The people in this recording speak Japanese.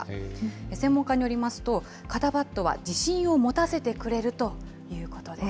専門家によりますと、肩パッドは自信を持たせてくれるということです。